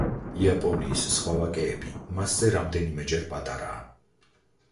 იაპონიის სხვა ვაკეები მასზე რამდენიმეჯერ პატარაა.